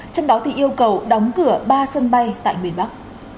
trong đó yêu cầu đóng cửa ba sân bay tại miền bắc